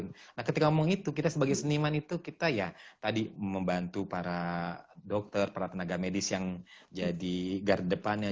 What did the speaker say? nah ketika ngomong itu kita sebagai seniman itu kita ya tadi membantu para dokter para tenaga medis yang jadi gar depannya